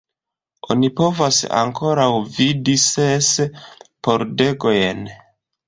Oni povas ankoraŭ vidi ses pordegojn.